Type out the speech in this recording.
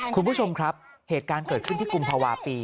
คุณผู้ชมครับเหตุการณ์เกิดขึ้นที่กุมภาวะปี